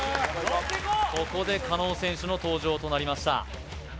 ここで加納選手の登場となりました